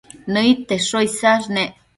Nëid tesho isash nec